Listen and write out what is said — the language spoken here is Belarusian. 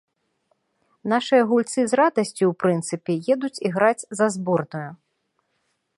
Нашыя гульцы з радасцю, у прынцыпе, едуць іграць за зборную.